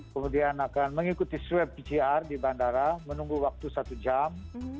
kemudian akan mengikuti swab pcr di bandara menunggu waktu satu jam